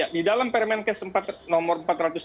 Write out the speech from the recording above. di dalam permen case empat nomor